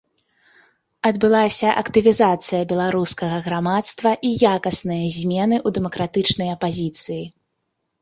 Адбылася актывізацыя беларускага грамадства і якасныя змены ў дэмакратычнай апазіцыі.